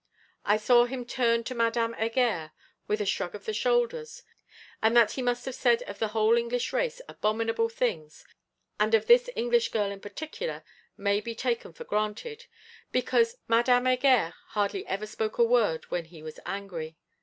I saw him turn to Madame Heger with a shrug of the shoulders: and that he must have said of the whole English race abominable things, and of this English girl in particular, may be taken for granted; because Madame Heger hardly ever spoke a word when he was angry.